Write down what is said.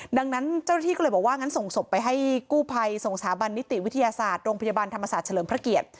ดังนั้นเจ้าหน้าที่ก็เลยบอกว่างั้นส่งศพไปให้กู้ภัยส่งสถาบันนิติวิทยาศาสตร์โรงพยาบาลธรรมศาสตร์เฉลิมพระเกียรติ